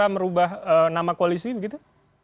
jadi sudah berubah nama koalisi begitu